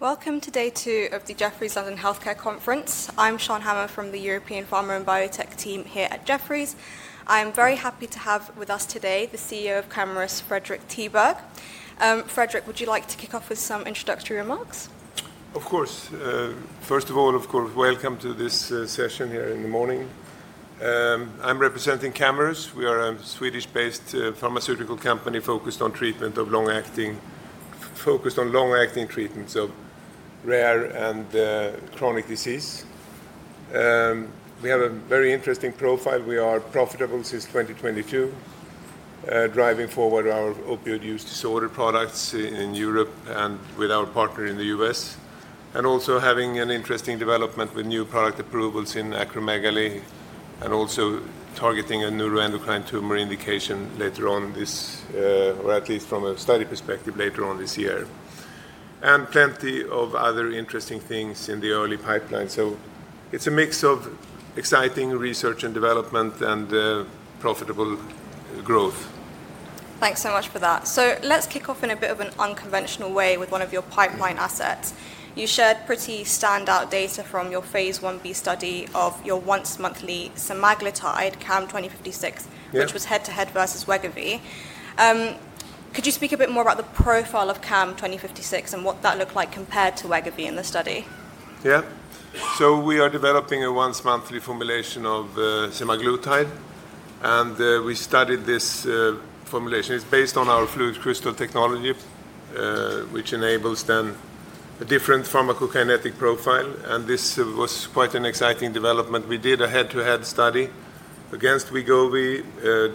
Welcome to Day Two of the Jefferies London Healthcare Conference. I'm Shan Hama from the European Pharma and Biotech team here at Jefferies. I am very happy to have with us today the CEO of Camurus, Fredrik Tiberg. Fredrik, would you like to kick off with some introductory remarks? Of course. First of all, welcome to this session here in the morning. I'm representing Camurus. We are a Swedish-based pharmaceutical company focused on treatment of long-acting treatments of rare and chronic disease. We have a very interesting profile. We are profitable since 2022, driving forward our opioid use disorder products in Europe and with our partner in the US, and also having an interesting development with new product approvals in acromegaly and also targeting a neuroendocrine tumor indication later on this, or at least from a study perspective, later on this year, and plenty of other interesting things in the early pipeline. It is a mix of exciting research and development and profitable growth. Thanks so much for that. Let's kick off in a bit of an unconventional way with one of your pipeline assets. You shared pretty standout data from your phase I-B study of your once-monthly semaglutide, CAM2056, which was head-to-head versus Wegovy. Could you speak a bit more about the profile of CAM2056 and what that looked like compared to Wegovy in the study? Yeah. We are developing a once-monthly formulation of semaglutide, and we studied this formulation. It is based on our FluidCrystal technology, which enables then a different pharmacokinetic profile. This was quite an exciting development. We did a head-to-head study against Wegovy.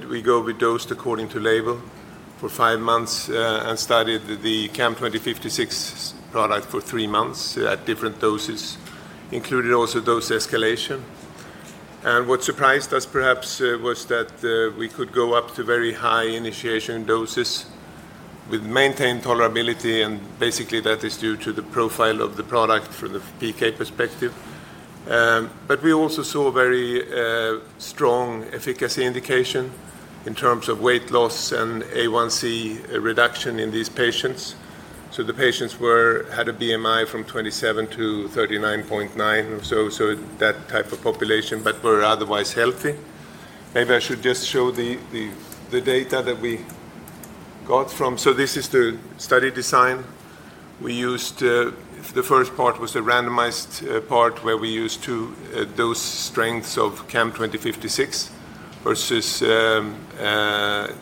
Wegovy dosed according to label for five months and studied the CAM2056 product for three months at different doses, including also dose escalation. What surprised us perhaps was that we could go up to very high initiation doses with maintained tolerability. Basically, that is due to the profile of the product from the PK perspective. We also saw very strong efficacy indication in terms of weight loss and A1C reduction in these patients. The patients had a BMI from 27-39.9 or so, that type of population, but were otherwise healthy. Maybe I should just show the data that we got from. This is the study design. The first part was a randomized part where we used two dose strengths of CAM2056 versus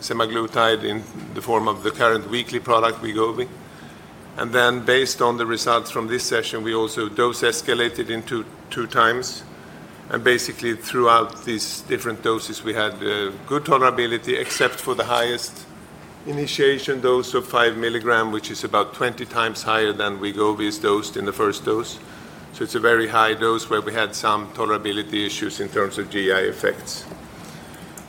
semaglutide in the form of the current weekly product, Wegovy. Then, based on the results from this session, we also dose escalated into 2x. Basically, throughout these different doses, we had good tolerability, except for the highest initiation dose of 5 mg, which is about 20x higher than Wegovy's dosed in the first dose. It is a very high dose where we had some tolerability issues in terms of GI effects.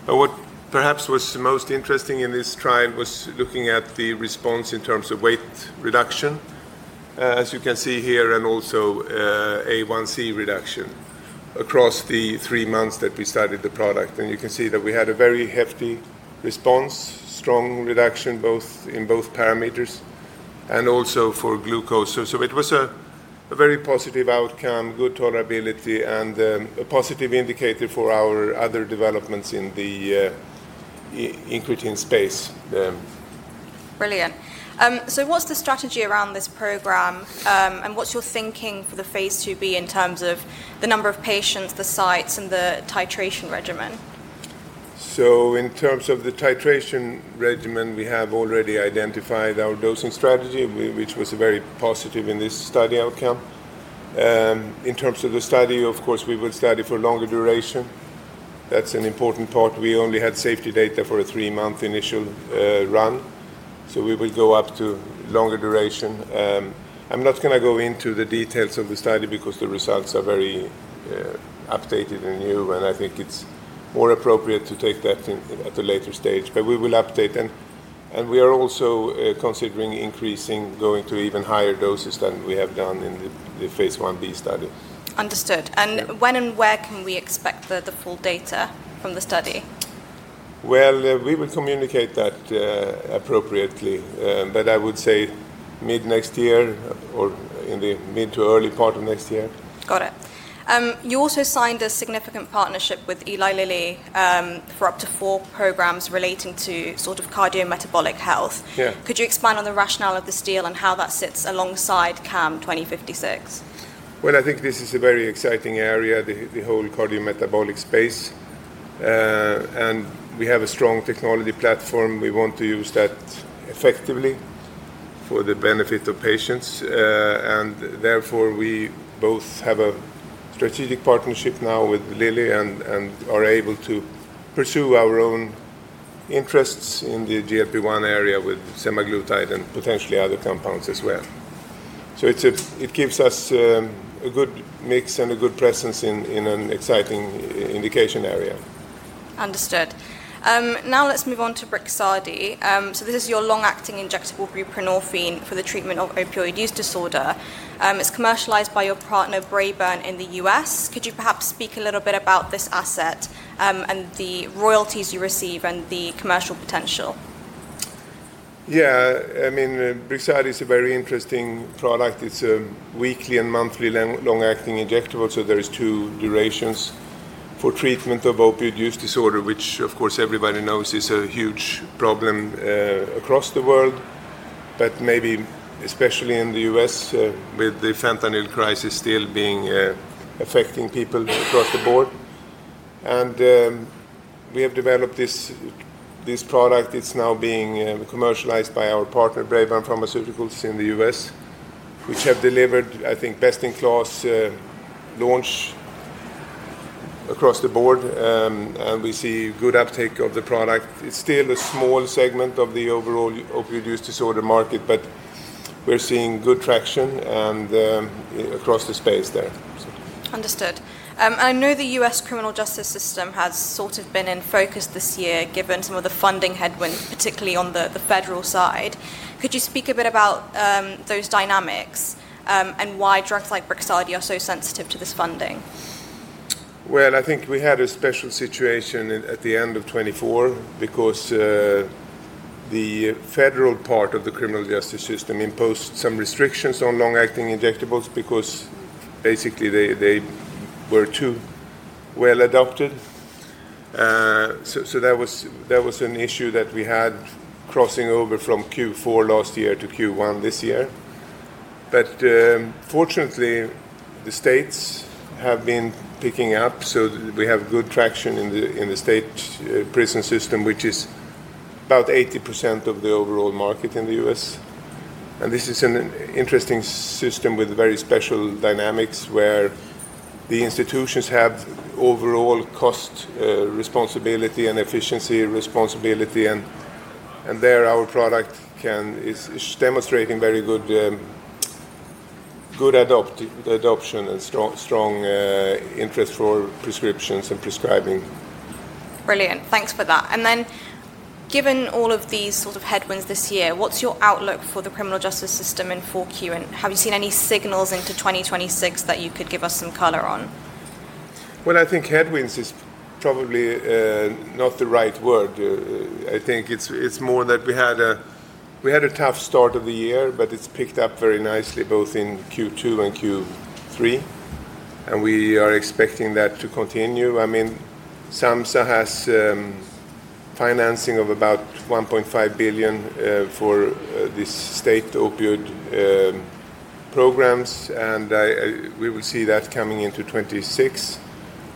What perhaps was most interesting in this trial was looking at the response in terms of weight reduction, as you can see here, and also A1C reduction across the three months that we studied the product. You can see that we had a very hefty response, strong reduction in both parameters, and also for glucose. It was a very positive outcome, good tolerability, and a positive indicator for our other developments in the incretin space. Brilliant. What's the strategy around this program, and what's your thinking for the phase II-B in terms of the number of patients, the sites, and the titration regimen? In terms of the titration regimen, we have already identified our dosing strategy, which was very positive in this study outcome. In terms of the study, of course, we would study for longer duration. That's an important part. We only had safety data for a three-month initial run, so we would go up to longer duration. I'm not going to go into the details of the study because the results are very updated and new, and I think it's more appropriate to take that at a later stage. We will update. We are also considering increasing, going to even higher doses than we have done in the phase I-B study. Understood. When and where can we expect the full data from the study? We will communicate that appropriately, but I would say mid next year or in the mid to early part of next year. Got it. You also signed a significant partnership with Eli Lilly for up to four programs relating to sort of cardiometabolic health. Could you expand on the rationale of this deal and how that sits alongside CAM2056? I think this is a very exciting area, the whole cardiometabolic space. We have a strong technology platform. We want to use that effectively for the benefit of patients. Therefore, we both have a strategic partnership now with Lilly and are able to pursue our own interests in the GLP-1 area with semaglutide and potentially other compounds as well. It gives us a good mix and a good presence in an exciting indication area. Understood. Now let's move on to Brixadi. This is your long-acting injectable buprenorphine for the treatment of opioid use disorder. It's commercialized by your partner, Braeburn, in the US. Could you perhaps speak a little bit about this asset and the royalties you receive and the commercial potential? Yeah. I mean, Brixadi is a very interesting product. It's a weekly and monthly long-acting injectable. There are two durations for treatment of opioid use disorder, which, of course, everybody knows is a huge problem across the world, but maybe especially in the U.S. with the fentanyl crisis still being affecting people across the board. We have developed this product. It's now being commercialized by our partner, Braeburn Pharmaceuticals, in the U.S., which have delivered, I think, best-in-class launch across the board. We see good uptake of the product. It's still a small segment of the overall opioid use disorder market, but we're seeing good traction across the space there. Understood. I know the U.S. criminal justice system has sort of been in focus this year, given some of the funding headwinds, particularly on the federal side. Could you speak a bit about those dynamics and why drugs like Brixadi are so sensitive to this funding? I think we had a special situation at the end of 2024 because the federal part of the criminal justice system imposed some restrictions on long-acting injectables because basically they were too well adopted. That was an issue that we had crossing over from Q4 last year to Q1 this year. Fortunately, the states have been picking up. We have good traction in the state prison system, which is about 80% of the overall market in the U.S. This is an interesting system with very special dynamics where the institutions have overall cost responsibility and efficiency responsibility. There our product is demonstrating very good adoption and strong interest for prescriptions and prescribing. Brilliant. Thanks for that. Given all of these sort of headwinds this year, what's your outlook for the criminal justice system in Q4? Have you seen any signals into 2026 that you could give us some color on? I think headwinds is probably not the right word. I think it's more that we had a tough start of the year, but it's picked up very nicely both in Q2 and Q3. We are expecting that to continue. I mean, SAMHSA has financing of about $1.5 billion for these state opioid programs, and we will see that coming into 2026.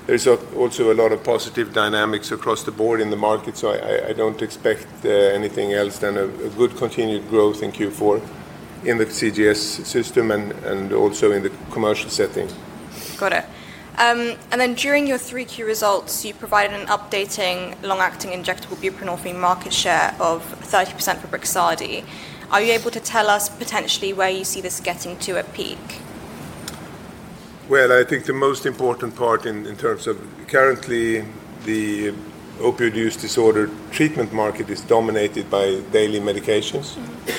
There's also a lot of positive dynamics across the board in the market, so I don't expect anything else than a good continued growth in Q4 in the CGS system and also in the commercial setting. Got it. During your 3Q results, you provided an updated long-acting injectable buprenorphine market share of 30% for Brixadi. Are you able to tell us potentially where you see this getting to at peak? I think the most important part in terms of currently the opioid use disorder treatment market is dominated by daily medications. It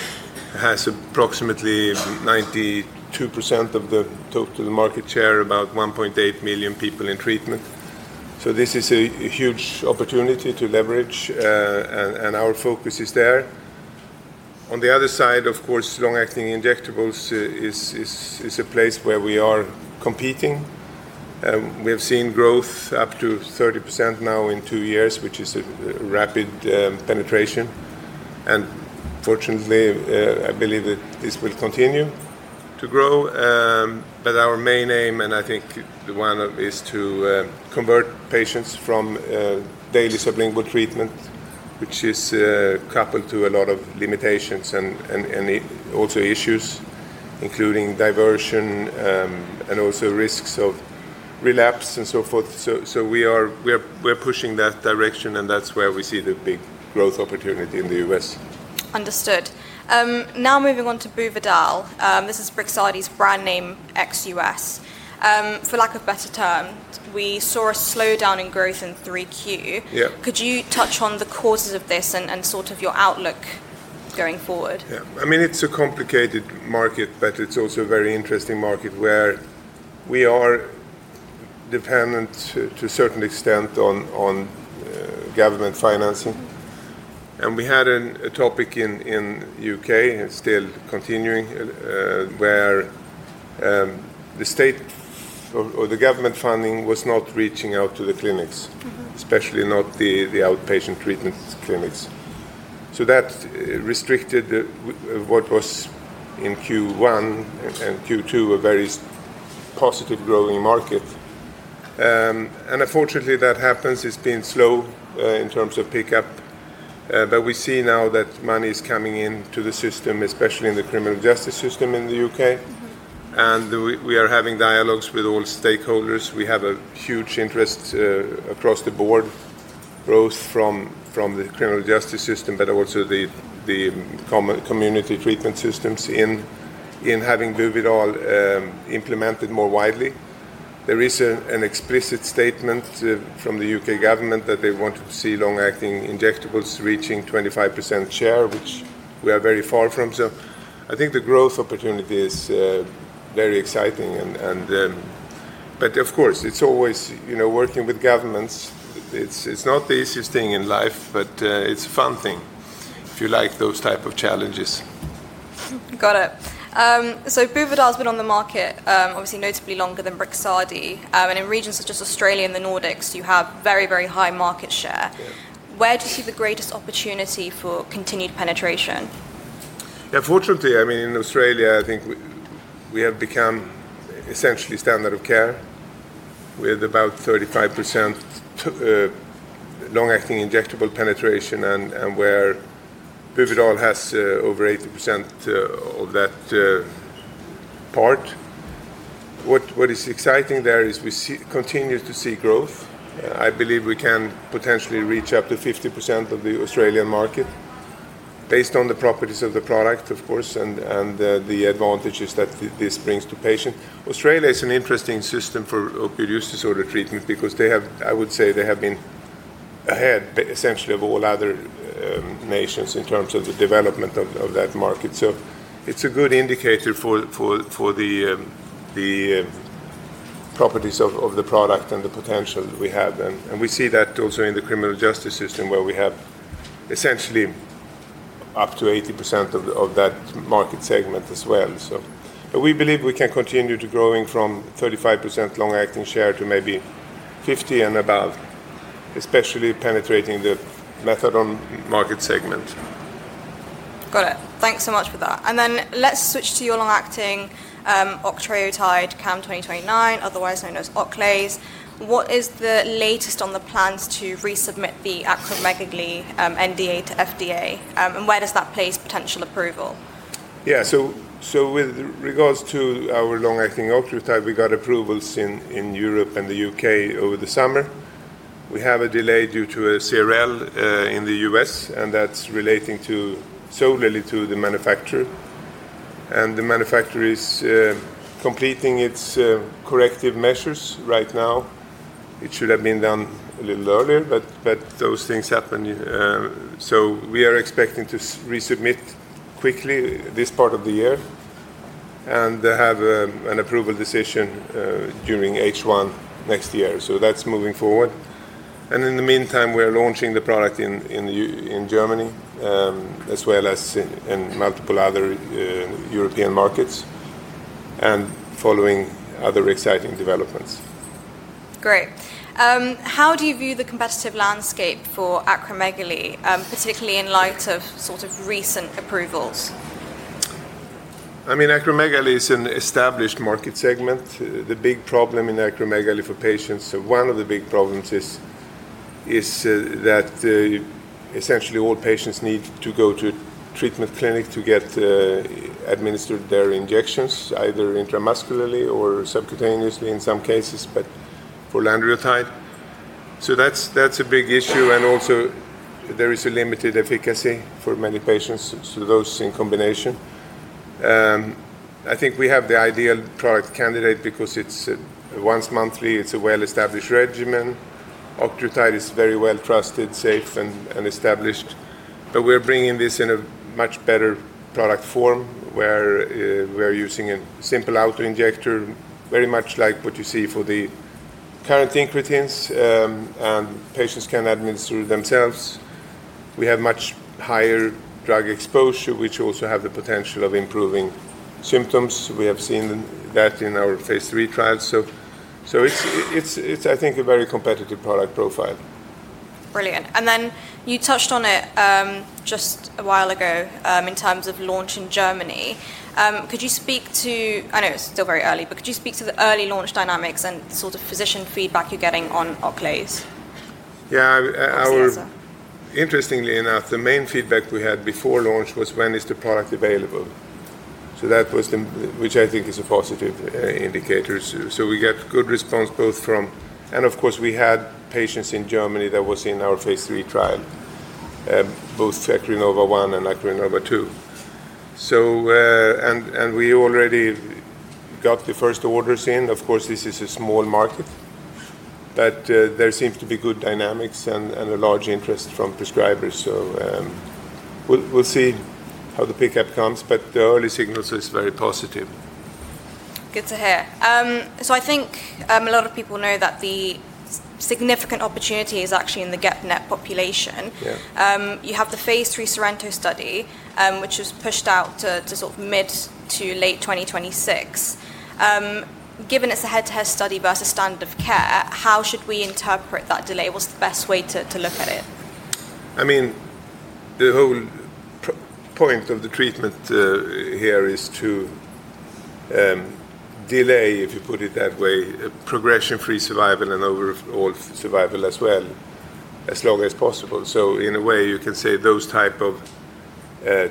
has approximately 92% of the total market share, about 1.8 million people in treatment. This is a huge opportunity to leverage, and our focus is there. On the other side, of course, long-acting injectables is a place where we are competing. We have seen growth up to 30% now in two years, which is a rapid penetration. Fortunately, I believe that this will continue to grow. Our main aim, and I think the one of, is to convert patients from daily sublingual treatment, which is coupled to a lot of limitations and also issues, including diversion and also risks of relapse and so forth. We are pushing that direction, and that's where we see the big growth opportunity in the U.S. Understood. Now moving on to Buvidal. This is Buvidal's brand name ex U.S. For lack of a better term, we saw a slowdown in growth in 3Q. Could you touch on the causes of this and sort of your outlook going forward? Yeah. I mean, it's a complicated market, but it's also a very interesting market where we are dependent to a certain extent on government financing. We had a topic in the U.K., still continuing, where the state or the government funding was not reaching out to the clinics, especially not the outpatient treatment clinics. That restricted what was in Q1 and Q2 a very positive growing market. Unfortunately, that happens. It's been slow in terms of pickup. We see now that money is coming into the system, especially in the criminal justice system in the U.K. We are having dialogues with all stakeholders. We have a huge interest across the board, both from the criminal justice system, but also the community treatment systems in having Buvidal implemented more widely. There is an explicit statement from the U.K. government that they want to see long-acting injectables reaching 25% share, which we are very far from. I think the growth opportunity is very exciting. Of course, it is always working with governments. It is not the easiest thing in life, but it is a fun thing if you like those types of challenges. Got it. Buvidal has been on the market, obviously notably longer than Brixadi. In regions such as Australia and the Nordics, you have very, very high market share. Where do you see the greatest opportunity for continued penetration? Yeah, fortunately, I mean, in Australia, I think we have become essentially standard of care with about 35% long-acting injectable penetration and where Buvidal has over 80% of that part. What is exciting there is we continue to see growth. I believe we can potentially reach up to 50% of the Australian market based on the properties of the product, of course, and the advantages that this brings to patients. Australia is an interesting system for opioid use disorder treatment because they have, I would say, they have been ahead essentially of all other nations in terms of the development of that market. It is a good indicator for the properties of the product and the potential we have. We see that also in the criminal justice system where we have essentially up to 80% of that market segment as well. We believe we can continue to grow from 35% long-acting share to maybe 50% and above, especially penetrating the methadone market segment. Got it. Thanks so much for that. Let's switch to your long-acting octreotide CAM2029, otherwise known as Octase. What is the latest on the plans to resubmit the acromegaly NDA to FDA? Where does that place potential approval? Yeah. With regards to our long-acting octreotide, we got approvals in Europe and the U.K. over the summer. We have a delay due to a CRL in the U.S., and that's relating solely to the manufacturer. The manufacturer is completing its corrective measures right now. It should have been done a little earlier, but those things happen. We are expecting to resubmit quickly this part of the year and have an approval decision during H1 next year. That's moving forward. In the meantime, we're launching the product in Germany as well as in multiple other European markets and following other exciting developments. Great. How do you view the competitive landscape for acromegaly, particularly in light of sort of recent approvals? I mean, acromegaly is an established market segment. The big problem in acromegaly for patients, one of the big problems is that essentially all patients need to go to a treatment clinic to get administered their injections, either intramuscularly or subcutaneously in some cases, but for lanreotide. That is a big issue. Also, there is a limited efficacy for many patients, so those in combination. I think we have the ideal product candidate because it is once monthly, it is a well-established regimen. Octreotide is very well trusted, safe, and established. We are bringing this in a much better product form where we are using a simple autoinjector, very much like what you see for the current incretins, and patients can administer themselves. We have much higher drug exposure, which also has the potential of improving symptoms. We have seen that in our phase III trials. I think it's a very competitive product profile. Brilliant. You touched on it just a while ago in terms of launch in Germany. Could you speak to, I know it's still very early, but could you speak to the early launch dynamics and sort of physician feedback you're getting on Octase? Yeah. Interestingly enough, the main feedback we had before launch was, "When is the product available?" That was the, which I think is a positive indicator. We got good response both from, and of course, we had patients in Germany that were in our phase III trial, both ACROINNOVA 1 and ACROINNOVA 2. We already got the first orders in. Of course, this is a small market, but there seems to be good dynamics and a large interest from prescribers. We will see how the pickup comes, but the early signals are very positive. Good to hear. I think a lot of people know that the significant opportunity is actually in the get-net population. You have the phase III SORENTO study, which was pushed out to sort of mid to late 2026. Given it's a head-to-head study versus standard of care, how should we interpret that delay? What's the best way to look at it? I mean, the whole point of the treatment here is to delay, if you put it that way, progression-free survival and overall survival as well, as long as possible. In a way, you can say those types of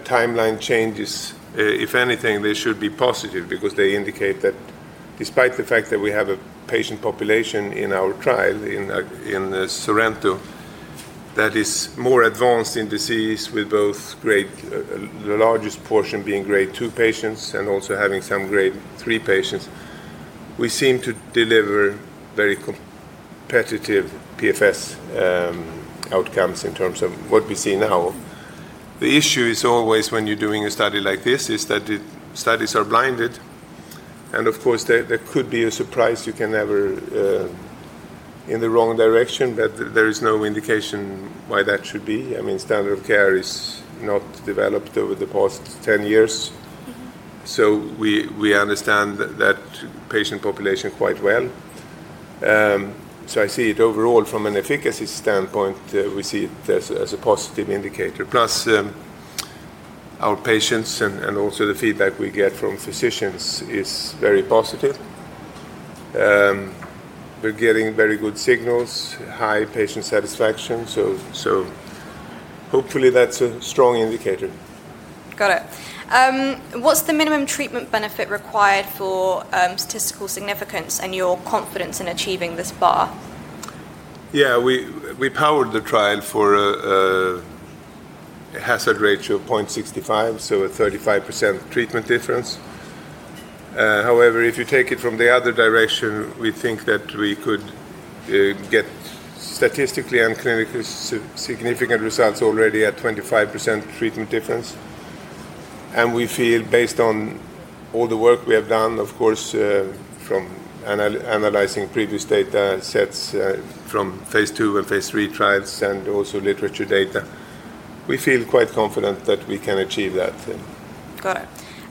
timeline changes, if anything, they should be positive because they indicate that despite the fact that we have a patient population in our trial, in SORENTO, that is more advanced in disease with both the largest portion being grade 2 patients and also having some grade 3 patients, we seem to deliver very competitive PFS outcomes in terms of what we see now. The issue is always when you're doing a study like this is that the studies are blinded. Of course, there could be a surprise. You can never in the wrong direction, but there is no indication why that should be. I mean, standard of care is not developed over the past 10 years. So we understand that patient population quite well. I see it overall from an efficacy standpoint, we see it as a positive indicator. Plus, our patients and also the feedback we get from physicians is very positive. We're getting very good signals, high patient satisfaction. Hopefully that's a strong indicator. Got it. What's the minimum treatment benefit required for statistical significance and your confidence in achieving this bar? Yeah. We powered the trial for a hazard ratio of 0.65, so a 35% treatment difference. However, if you take it from the other direction, we think that we could get statistically and clinically significant results already at 25% treatment difference. We feel, based on all the work we have done, of course, from analyzing previous data sets from phase II and phase III trials and also literature data, we feel quite confident that we can achieve that. Got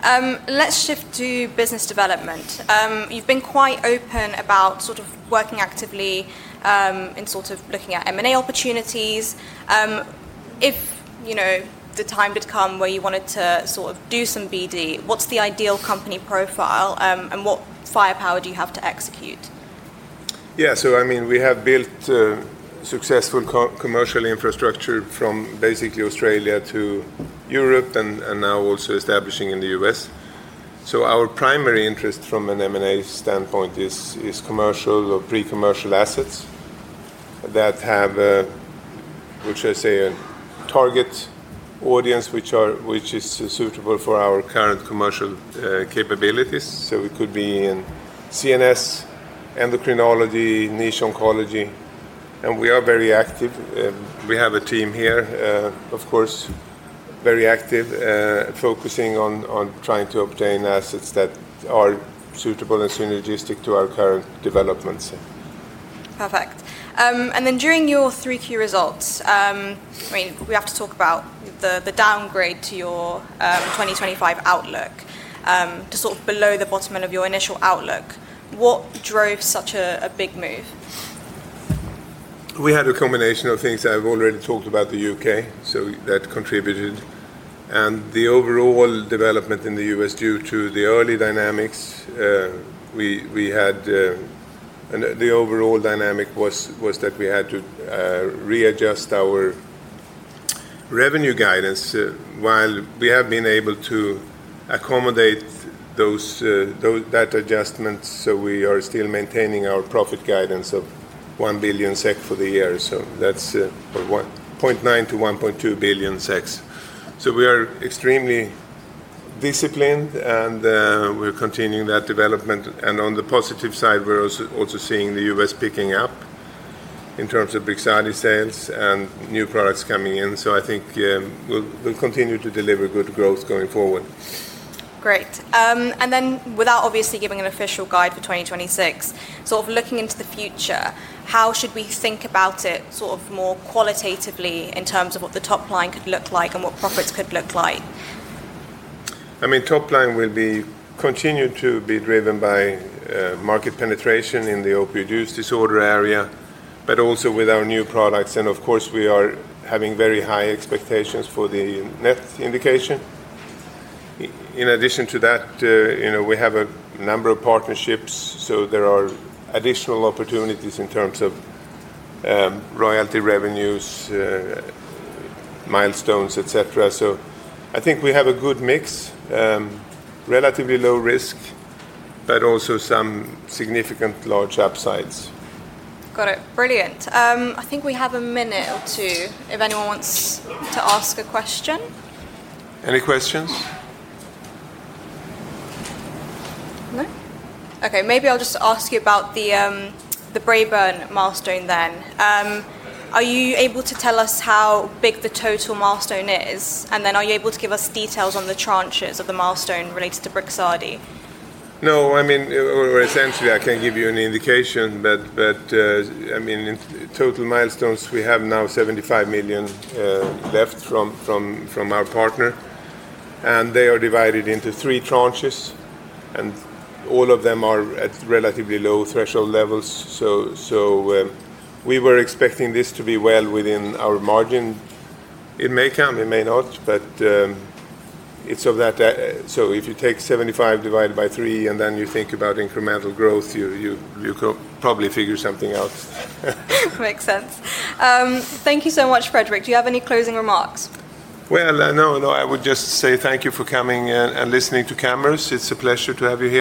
it. Let's shift to business development. You've been quite open about sort of working actively in sort of looking at M&A opportunities. If the time did come where you wanted to sort of do some BD, what's the ideal company profile and what firepower do you have to execute? Yeah. I mean, we have built successful commercial infrastructure from basically Australia to Europe and now also establishing in the U.S. Our primary interest from an M&A standpoint is commercial or pre-commercial assets that have, which I say, a target audience which is suitable for our current commercial capabilities. It could be in CNS, endocrinology, niche oncology. We are very active. We have a team here, of course, very active, focusing on trying to obtain assets that are suitable and synergistic to our current developments. Perfect. During your 3Q results, I mean, we have to talk about the downgrade to your 2025 outlook to sort of below the bottom end of your initial outlook. What drove such a big move? We had a combination of things. I've already talked about the U.K., so that contributed. The overall development in the U.S. due to the early dynamics, we had the overall dynamic was that we had to readjust our revenue guidance while we have been able to accommodate that adjustment. We are still maintaining our profit guidance of 1 billion SEK for the year. That's 0.9-1.2 billion. We are extremely disciplined and we're continuing that development. On the positive side, we're also seeing the U.S. picking up in terms of Brixadi sales and new products coming in. I think we'll continue to deliver good growth going forward. Great. Without obviously giving an official guide for 2026, sort of looking into the future, how should we think about it sort of more qualitatively in terms of what the top line could look like and what profits could look like? I mean, top line will continue to be driven by market penetration in the opioid use disorder area, but also with our new products. Of course, we are having very high expectations for the net indication. In addition to that, we have a number of partnerships, so there are additional opportunities in terms of royalty revenues, milestones, etc. I think we have a good mix, relatively low risk, but also some significant large upsides. Got it. Brilliant. I think we have a minute or two if anyone wants to ask a question. Any questions? No. Okay. Maybe I'll just ask you about the Braeburn milestone then. Are you able to tell us how big the total milestone is? Are you able to give us details on the tranches of the milestone related to Brixadi? No. I mean, essentially, I can't give you any indication, but I mean, total milestones, we have now $75 million left from our partner. And they are divided into three tranches, and all of them are at relatively low threshold levels. We were expecting this to be well within our margin. It may come, it may not, but it's of that. If you take $75 million divided by 3 and then you think about incremental growth, you could probably figure something out. Makes sense. Thank you so much, Fredrik. Do you have any closing remarks? No, no. I would just say thank you for coming and listening to Camurus. It's a pleasure to have you here.